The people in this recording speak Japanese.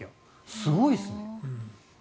すごいですね。